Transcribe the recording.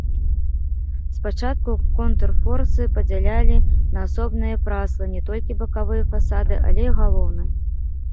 Спачатку контрфорсы падзялялі на асобныя праслы не толькі бакавыя фасады, але і галоўны.